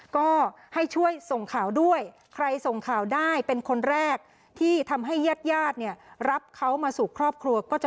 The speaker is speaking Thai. ก็ให้ช่วยส่งข่าวด้วยใครส่งข่าวได้เป็นคนแรก